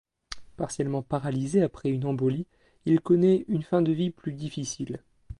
Partiellement paralysé après une embolie, il connaît une fin de vie plus difficile.